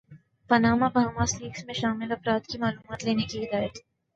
Panama Bahamas leaks میں شامل افراد کی معلومات لینے کی ہدایت